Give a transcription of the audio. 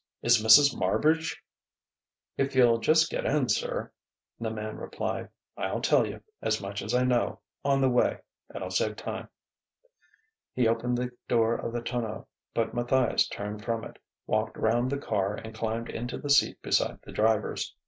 "Is Mrs. Marbridge ?" "If you'll just get in, sir," the man replied, "I'll tell you as much as I know on the way. It'll save time." He opened the door of the tonneau, but Matthias turned from it, walked round the car, and climbed into the seat beside the driver's.